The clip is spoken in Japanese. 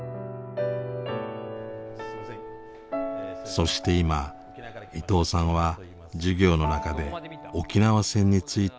そして今伊藤さんは授業の中で沖縄戦について教えています。